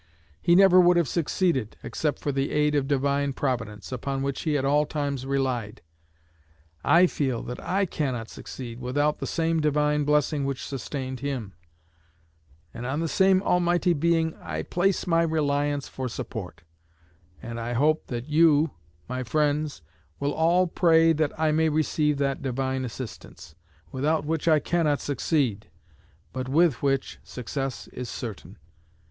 He never would have succeeded except for the aid of Divine Providence, upon which he at all times relied. I feel that I cannot succeed without the same Divine blessing which sustained him; and on the same Almighty Being I place my reliance for support. And I hope you, my friends, will all pray that I may receive that Divine assistance, without which I cannot succeed, but with which success is certain.